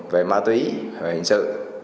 về ma túy về hình sự